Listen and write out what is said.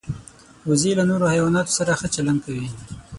وزې له نورو حیواناتو سره ښه چلند کوي